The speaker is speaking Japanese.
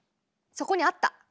そこにあった？